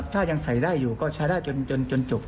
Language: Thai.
ถ้ายังใส่ได้อยู่ก็ใช้ได้จนจบ